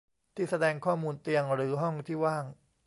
ที่แสดงข้อมูลเตียงหรือห้องที่ว่าง